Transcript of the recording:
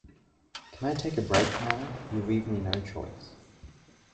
Can I take a break now? You leave me no choice.